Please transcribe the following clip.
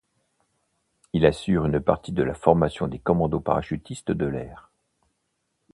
Il assure une partie de la formation des commandos parachutistes de l'air.